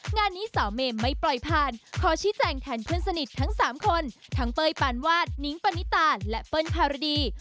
งานนี้สาวเมมไม่ปล่อยผ่านขอชี้แจงแทนเพื่อนสนิททั้ง๓คนทั้งเป้ยปานวาดนิ้งปณิตาและเปิ้ลภารดี